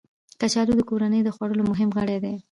کچالو د کورنۍ د خوړو مهم غړی دی